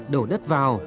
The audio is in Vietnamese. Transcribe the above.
đổ đất vào